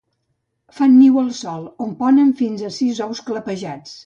Fan el niu al sòl, on ponen fins a sis ous clapejats.